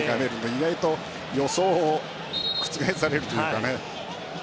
意外と予想を覆されるというかね。